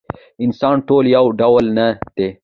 انسانان ټول یو ډول نه دي.